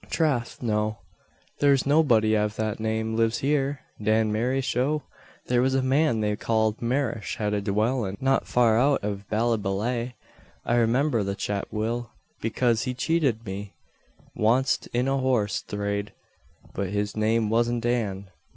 Trath, no. Thare's nobody av that name lives heeur. Dan Marryshow? Thare was a man they called Marrish had a dwillin' not far out av Ballyballagh. I remimber the chap will, bekase he chated me wanst in a horse thrade. But his name wasn't Dan.